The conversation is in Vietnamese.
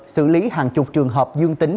xử lý hàng chục trường hợp dương tính